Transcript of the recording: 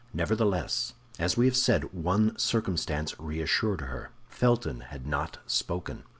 Nevertheless, as we have said, one circumstance reassured her. Felton had not spoken.